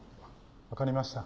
わかりました。